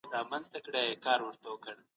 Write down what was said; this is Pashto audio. هيچاته اجازه نسته چي په نورو ملنډي ووهي.